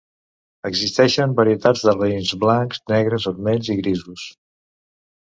Existeixen varietats de raïms blancs, negres, vermells i grisos.